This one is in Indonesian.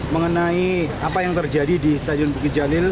mengenai apa yang terjadi di stadion bukit jalil